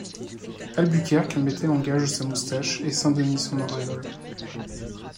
Albuquerque mettait en gage sa moustache et saint Denis son auréole.